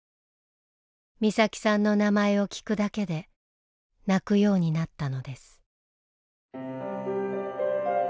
美咲さんの名前を聞くだけで泣くようになったのです。